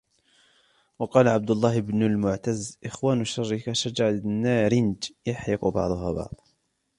وَقَالَ عَبْدُ اللَّهِ بْنُ الْمُعْتَزِّ إخْوَانُ الشَّرِّ كَشَجَرِ النَّارِنْجِ يُحْرِقُ بَعْضُهَا بَعْضًا